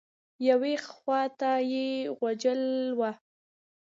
یوې خوا ته یې غوجل وه.